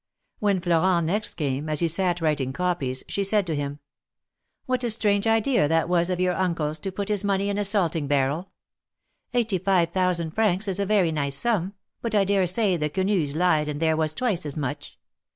When Florent next came, as he sat writing copies, she said to him :" What a strange idea that was of your Uncle's to put his money in a salting barrel ! Eighty five thousand francs is a very nice sum, but I dare say the Quenus lied and there was twice as much.